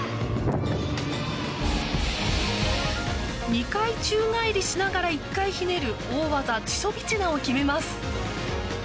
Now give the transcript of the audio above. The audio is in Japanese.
２回宙返りしながら１回ひねる大技チュソビチナを決めます。